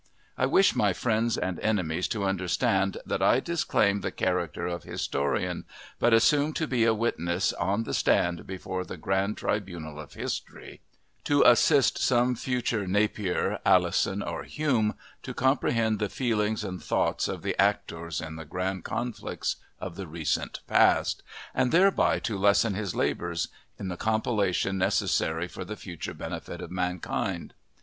I wish my friends and enemies to understand that I disclaim the character of historian, but assume to be a witness on the stand before the great tribunal of history, to assist some future Napier, Alison, or Hume to comprehend the feelings and thoughts of the actors in the grand conflicts of the recent past, and thereby to lessen his labors in the compilation necessary for the future benefit of mankind.